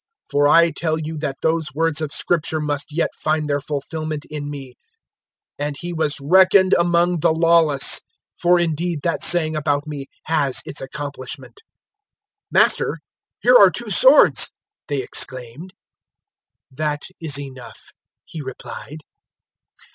022:037 For I tell you that those words of Scripture must yet find their fulfilment in me: `And He was reckoned among the lawless'; for indeed that saying about me has its accomplishment." 022:038 "Master, here are two swords," they exclaimed. "That is enough," He replied.